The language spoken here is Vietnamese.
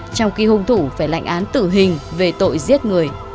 trong khi hung thủ phải lệnh án tử hình về tội giết người